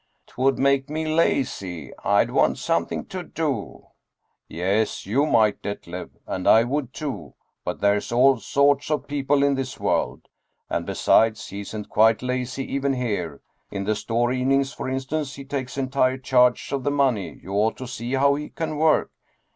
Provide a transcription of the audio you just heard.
" Twould make me lazy I'd want something to do." " Yes, you might, Detlev. And I would, too, but there's 21 German Mystery Stories all sorts of people in this world. And, besides, he isn't quite lazy even here. In the store evenings, for instance, he takes entire charge of the money. You ought to see how he can work."